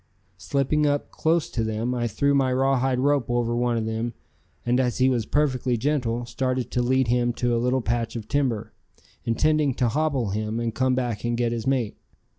Slipping up close to them I threw my rawhide rope over one of them, and, as he was perfectly gentle, started to lead him to a little patch of timber, intending to hobble him and come back and get his mate.